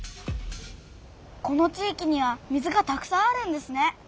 この地いきには水がたくさんあるんですね。